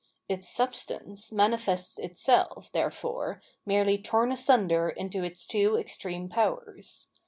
Its substance manifests itself, therefore, merely tom asunder into its two extreme powers.